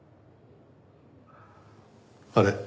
あれ？